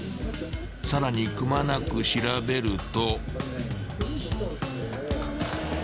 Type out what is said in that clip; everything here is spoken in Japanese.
［さらにくまなく調べると］